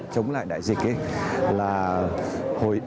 chống lại đại dịch ấy